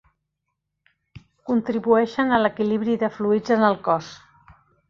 Contribueixen a l'equilibri de fluids en el cos.